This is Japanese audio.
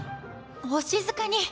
お静かに！